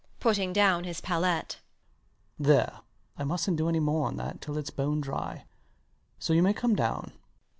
[Putting down his palette] There! I mustnt do any more on that until it's bone dry; so you may come down.